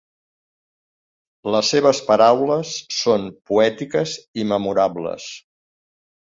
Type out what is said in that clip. Les seves paraules són poètiques i memorables.